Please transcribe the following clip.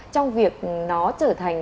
trong việc nó trở thành